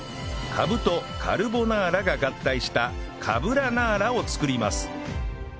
カブとカルボナーラが合体したカブラナーラを作ります